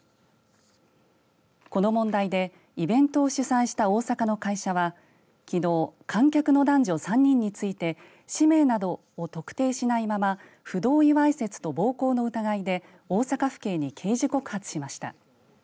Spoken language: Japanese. この問題でイベントを主催した大阪の会社はきのう観客の男女３人について氏名などを特定しないまま不同意わいせつと暴行の疑いで大阪府警に刑事告発しました。